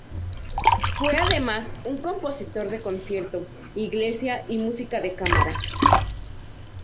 Fue además un compositor de concierto, iglesia y música de cámara.